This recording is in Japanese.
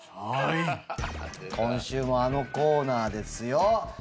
今週もあのコーナーですよ。